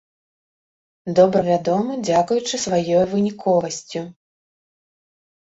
Добра вядомы дзякуючы сваёй выніковасцю.